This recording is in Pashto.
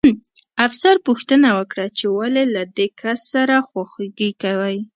افسر پوښتنه وکړه چې ولې له دې کس سره خواخوږي کوئ